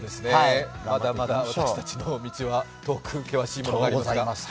まだまだ私たちの道は遠く険しいものがございます。